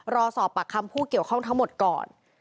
รอสอบปากคำผู้เกี่ยวข้องทั้งหมดก่อน